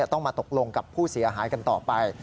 ต้องมาตกลงกับผู้เสียหายกันต่อไป